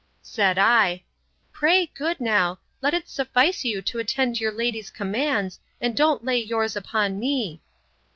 Said I, Pray, good now, let it suffice you to attend your lady's commands, and don't lay yours upon me.